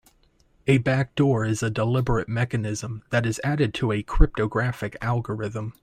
A backdoor is a deliberate mechanism that is added to a cryptographic algorithm.